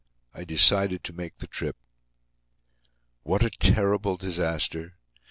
I decided to make the trip. What a terrible disaster!